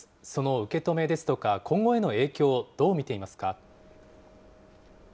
その受け止めですとか、今後への影響をどう見ていますか。